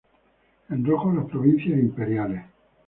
En rojo las provincias imperiales.